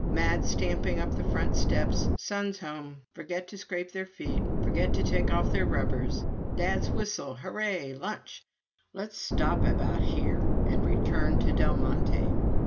Mad stamping up the front steps. Sons home. Forget to scrape their feet. Forget to take off their rubbers. Dad's whistle. Hurray! Lunch. Let's stop about here, and return to Del Monte.